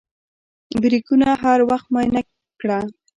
بریکونه هر وخت معاینه کړه.